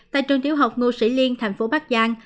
tại trường tiểu học ngô sĩ liên thành phố bắc giang